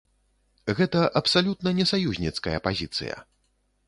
Гэта абсалютна не саюзніцкая пазіцыя.